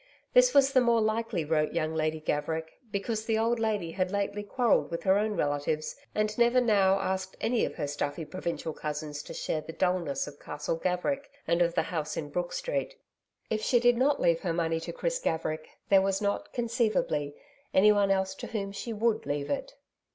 This was the more likely, wrote young Lady Gaverick, because the old lady had lately quarrelled with her own relatives, and never now asked any of her stuffy provincial cousins to share the dulness of Castle Gaverick and of the house in Brook Street. If she did not leave her money to Chris Gaverick, there was not, conceivably, anyone else to whom she would leave it.